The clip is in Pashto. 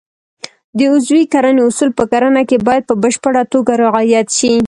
د عضوي کرنې اصول په کرنه کې باید په بشپړه توګه رعایت شي.